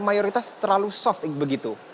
mayoritas terlalu soft begitu